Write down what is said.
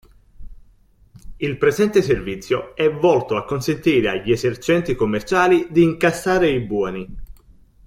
Il presente servizio è volto a consentire agli esercenti commerciali di incassare i buoni.